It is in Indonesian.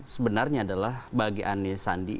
sebenarnya adalah bagi anies sandi